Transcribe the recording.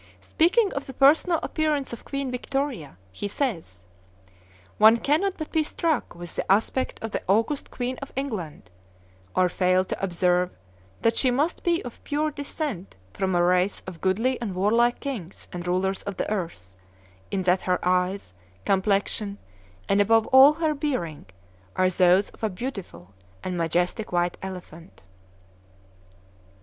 Speaking of the personal appearance of Queen Victoria, he says: "One cannot but be struck with the aspect of the august Queen of England, or fail to observe that she must be of pure descent from a race of goodly and warlike kings and rulers of the earth, in that her eyes, complexion, and above all her bearing, are those of a beautiful and majestic white elephant."